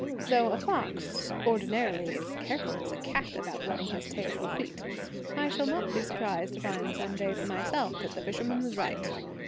Though a fox ordinarily is careful as a cat about wetting his tail or feet, I shall not be surprised to find some day for myself that the fisherman was right.